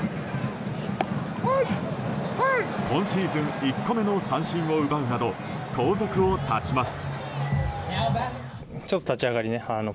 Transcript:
今シーズン１個目の三振を奪うなど後続を断ちます。